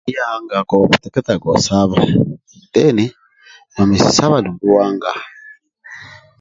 Buli ya hanagako okuteketaga osaba deni nomesi saba dumbi ohanga